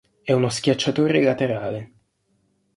È uno schiacciatore-laterale.